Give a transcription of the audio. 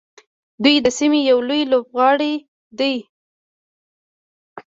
دوی د سیمې یو لوی لوبغاړی دی.